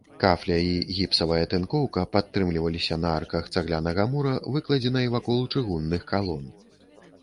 Кафля і гіпсавая тынкоўка падтрымліваліся на арках цаглянага мура, выкладзенай вакол чыгунных калон.